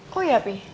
kok ya pi